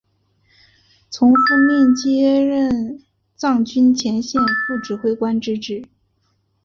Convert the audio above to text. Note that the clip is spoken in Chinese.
从父命接任藏军前线副指挥官之职。